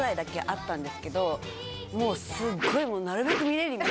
もうすっごい。